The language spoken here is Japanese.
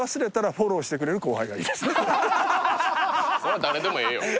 そりゃ誰でもええよ